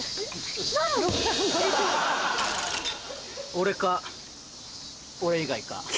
俺か俺以外か。